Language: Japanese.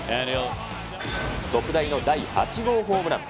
特大の第８号ホームラン。